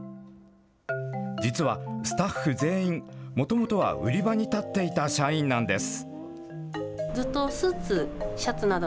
実はスタッフ全員、もともとは売り場に立っていた社員なんです。